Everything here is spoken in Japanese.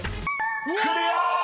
［クリア！］